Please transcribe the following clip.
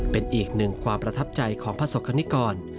เป็นอีกหนึ่งความประทับใจของประสบกรณิกร